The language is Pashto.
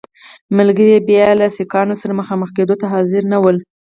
ملګري یې بیا له سیکهانو سره مخامخ کېدو ته حاضر نه ول.